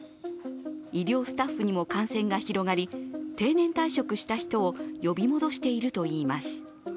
医療スタッフにも感染が広がり、定年退職した人を呼び戻しているといいます。